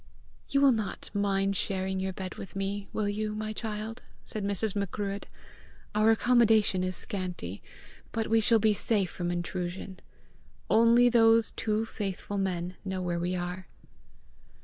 "You will not mind sharing your bed with me will you, my child?" said Mrs. Macruadh: "Our accommodation is scanty. But we shall be safe from intrusion. Only those two faithful men know where we are."